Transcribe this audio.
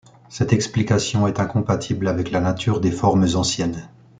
Cette explication est incompatible avec la nature des formes anciennes.